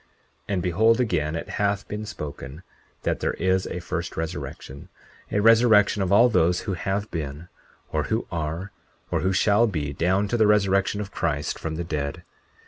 40:16 And behold, again it hath been spoken, that there is a first resurrection, a resurrection of all those who have been, or who are, or who shall be, down to the resurrection of Christ from the dead.